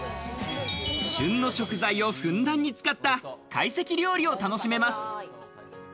旬の食材をふんだんに使った懐石料理を楽しめます。